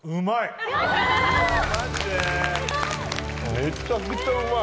めちゃくちゃうまい！